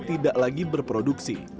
tidak lagi berproduksi